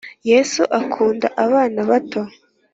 yesu akunda abana bato